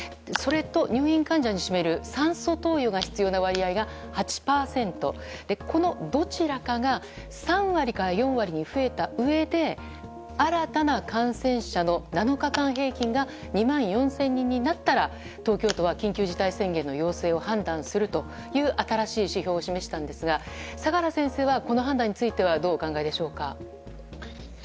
それと入院患者の占める酸素投与が必要な割合が８％となっていますがこのどちらかが３割から４割に増えたうえで新たな感染者の７日間平均が２万４０００人になったら東京都は緊急事態宣言の要請を破断するという新しい指標を示したんですが相良先生はこの判断についてはどうお考えでしょうか。